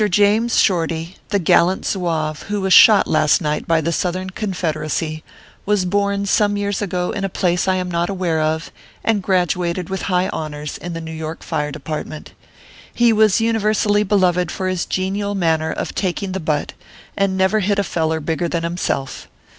James Shorty, the gallant Zouave who was shot last night by the Southern Confederacy, was born some years ago in a place I am not aware of, and graduated with high honors in the New York OKPHEUS C. KERR PAPERS. 49 Fire Department. He was universally beloved for his genial manner of taking the butt, and never hit a feller bigger than himself.